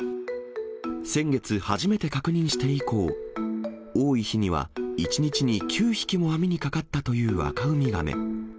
先月初めて確認して以降、多い日には、１日に９匹も網にかかったというアカウミガメ。